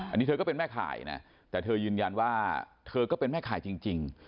อันนี้เธอก็เป็นแม่ข่ายนะแต่เธอยืนยันว่าเธอก็เป็นแม่ข่ายจริง